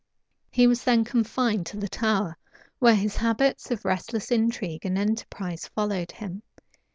He was then confined to the Tower, where his habits of restless intrigue and enterprise followed him.